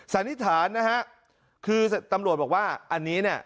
สันนิษฐานนะฮะคือตำรวจบอกว่าอันนี้เนี่ย